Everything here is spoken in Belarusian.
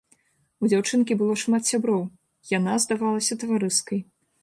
У дзяўчынкі было шмат сяброў, яна здавалася таварыскай.